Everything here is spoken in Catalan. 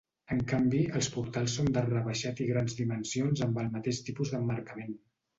En canvi, els portals són d'arc rebaixat i grans dimensions amb el mateix tipus d'emmarcament.